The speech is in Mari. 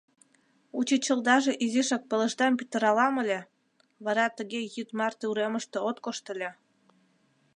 Учичылдаже изишак пылышдам пӱтыралам ыле, вара тыге йӱд марте уремыште от кошт ыле...